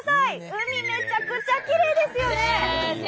海めちゃくちゃきれいですよね！